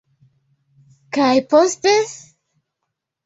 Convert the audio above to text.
Kaj poste?